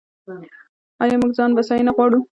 آیا موږ ځان بسیاینه غواړو؟